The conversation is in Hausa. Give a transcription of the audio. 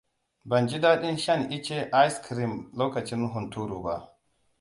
Ban ji daɗin shan ice cream lokacin hunturu ba.